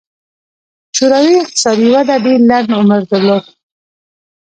شوروي اقتصادي وده ډېر لنډ عمر درلود.